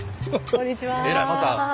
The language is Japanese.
こんにちは。